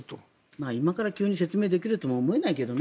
今から急に説明できるとも思わないけどね。